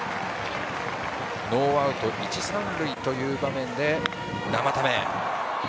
ノーアウト一三塁という場面で生田目。